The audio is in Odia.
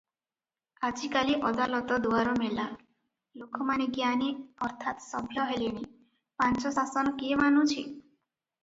ଆଜିକାଲି ଅଦାଲତ ଦୁଆର ମେଲା, ଲୋକମାନେ ଜ୍ଞାନୀ ଅର୍ଥାତ୍ ସଭ୍ୟ ହେଲେଣି, ପାଞ୍ଚଶାସନ କିଏ ମାନୁଛି?